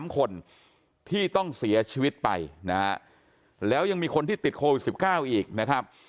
๓คนที่ต้องเสียชีวิตไปนะฮะแล้วยังมีคนที่ติดโควิด๑๙อีกนะครับ